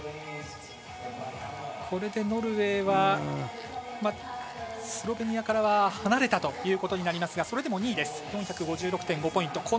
これでノルウェーはスロベニアからは離れたということになりますがそれでも２位です２５６．５ポイント。